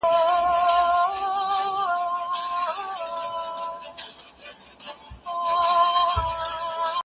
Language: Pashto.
زه به سبا د ښوونځي کتابونه مطالعه وکړم،